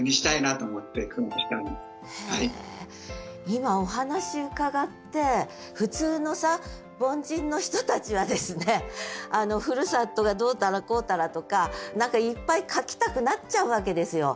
今お話伺って普通のさ凡人の人たちはふるさとがどうたらこうたらとか何かいっぱい書きたくなっちゃうわけですよ。